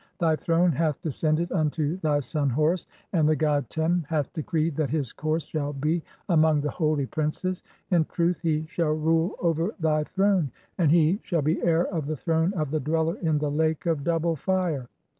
"Thy throne hath descended unto thy son Horus, and the god "Tem hath decreed that his course shall be among the holy "princes. (15) In truth, he shall rule over thy throne, and he "shall be heir of the throne of the Dweller in the Lake of "Double Fire.